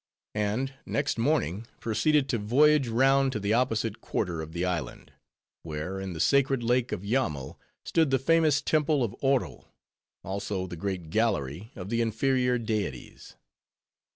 And next morning proceeded to voyage round to the opposite quarter of the island; where, in the sacred lake of Yammo, stood the famous temple of Oro, also the great gallery of the inferior deities.